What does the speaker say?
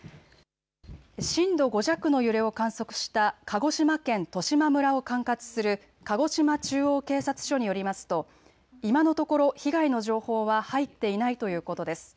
震度５弱の揺れを観測した鹿児島県十島村を管轄する鹿児島中央警察署によりますと今のところ被害の情報は入っていないということです。